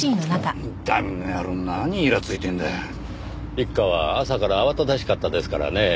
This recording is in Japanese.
一課は朝から慌ただしかったですからねぇ。